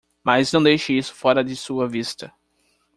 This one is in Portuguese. Mas não deixe isso fora de sua vista.